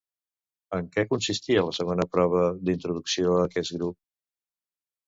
En què consistia la segona prova d'introducció a aquest grup?